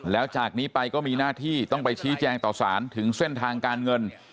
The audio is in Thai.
แล้วจากนี้ไปก็มีหน้าที่ต้องไปชี้แจงต่อสารถึงเส้นทางการเงิน